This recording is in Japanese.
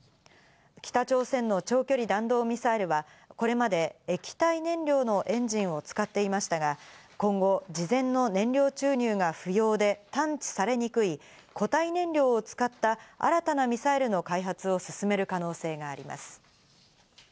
北朝鮮の長距離弾道ミサイルは、これまで液体燃料のエンジンを使っていましたが、今後、事前の燃料注入が不要で探知されにくい固体燃料を使った新たなミサイルの開発を進める可能性があります。